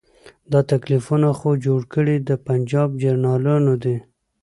دا تکلیفونه خو جوړ کړي د پنجاب جرنیلانو دي.